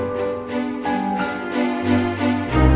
ya kita beres beres dulu